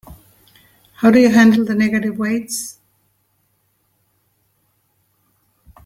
How do you handle the negative weights?